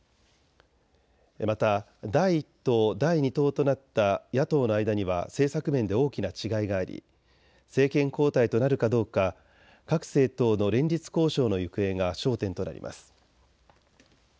また第１党、第２党となった野党の間には政策面で大きな違いがあり政権交代となるかどうか各政党の連立交渉の行方が焦点となります。